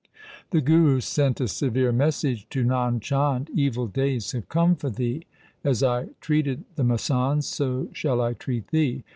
The Guru sent a severe message to Nand Chand, ' Evil days have come for thee. As I treated the masands so shall I treat thee.